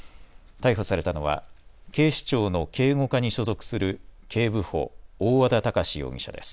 逮捕されたのは警視庁の警護課に所属する警部補、大和田峰志容疑者です。